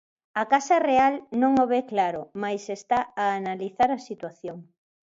A Casa Real non o ve claro mais está a analizar a situación.